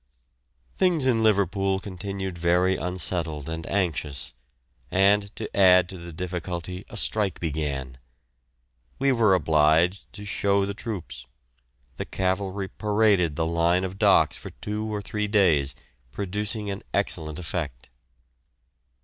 Things in Liverpool continued very unsettled and anxious, and to add to the difficulty a strike began. We were obliged to show the troops; the cavalry paraded the line of docks for two or three days, producing an excellent effect.